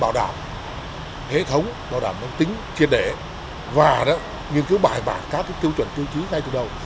bảo đảm hệ thống bảo đảm nông tính triệt đệ và đó nghiên cứu bài bản các cái tiêu chuẩn tiêu chí ngay từ đầu